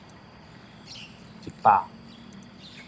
一百